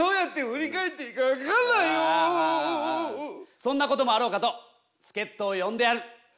そんなこともあろうかとすけっとを呼んである。